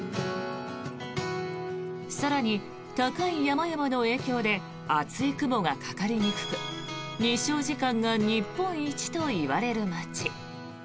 更に、高い山々の影響で厚い雲がかかりにくく日照時間が日本一といわれる街。